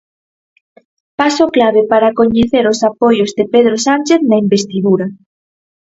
Paso clave para coñecer os apoios de Pedro Sánchez na investidura.